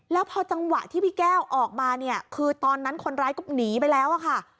แล้วพอจังหวะที่พี่แก้วออกมาเนี่ยคือตอนนั้นคนร้ายก็หนีไปแล้วอะค่ะ